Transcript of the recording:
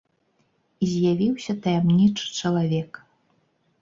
І з'явіўся таямнічы чалавек.